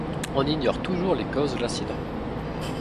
On ignore toujours les causes de l'accident.